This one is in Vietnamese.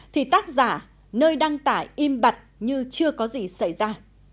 thì tác giả nơi đăng tải im bật như chưa có gì xảy ra